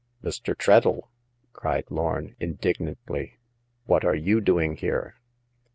Mr. Treadle !*' cried Lorn, indignantly. " What are you doing here